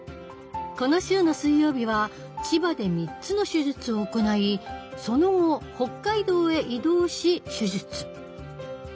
この週の水曜日は千葉で３つの手術を行いその後北海道へ移動し手術。